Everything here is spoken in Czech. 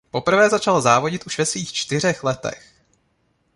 Poprvé začal závodit už ve svých čtyřech letech.